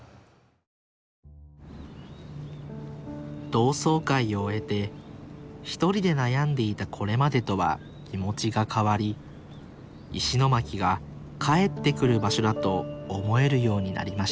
同窓会を終えてひとりで悩んでいたこれまでとは気持ちが変わり石巻が「帰ってくる」場所だと思えるようになりました